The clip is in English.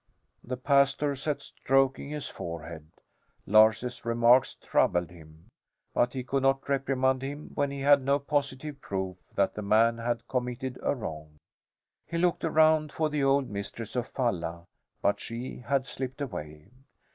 The pastor sat stroking his forehead. Lars's remarks troubled him; but he could not reprimand him when he had no positive proof that the man had committed a wrong. He looked around for the old mistress of Falla; but she had slipped away.